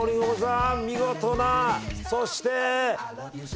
見事なそして。